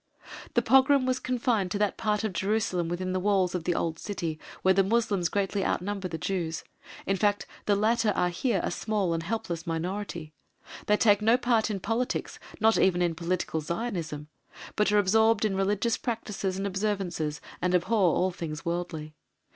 The pogrom was confined to that part of Jerusalem within the walls of the old City, where the Moslems greatly outnumber the Jews in fact the latter are here a small and helpless minority. They take no part in politics, not even in political Zionism, but are absorbed in religious practices and observances, and abhor all things worldly.